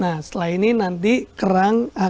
nah setelah ini nanti kerang akan